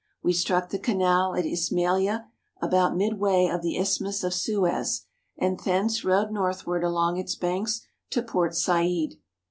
We struck the canal at Ismailia, about midway of the Isth mus of Suez, and thence rode northward along its banks to Port Said.